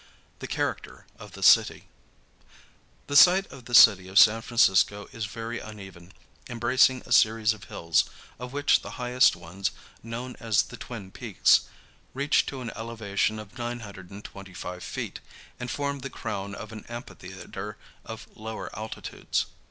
THE CHARACTER OF THE CITY. The site of the city of San Francisco is very uneven, embracing a series of hills, of which the highest ones, known as the Twin Peaks, reach to an elevation of 925 feet, and form the crown of an amphitheatre of lower altitudes.